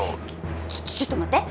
ちょちょっと待って！